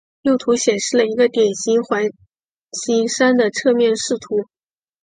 右图显示了一个典型环形山的侧面视图。